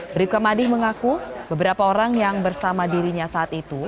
bribka madi mengaku beberapa orang yang bersama dirinya saat itu